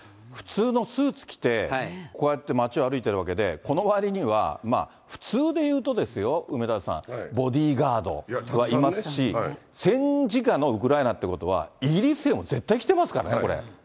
普通のスーツ着て、こうやって街歩いてるわけで、この周りには、普通でいうとですよ、梅沢さん、ボディーガードいますし、戦時下のウクライナってことはイギリスへも絶対来てますからね、これ。